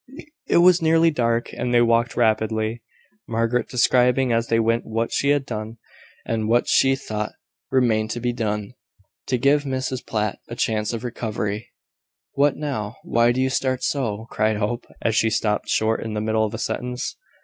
It was nearly dark, and they walked rapidly, Margaret describing as they went what she had done, and what she thought remained to be done, to give Mrs Platt a chance of recovery. "What now? Why do you start so?" cried Hope, as she stopped short in the middle of a sentence.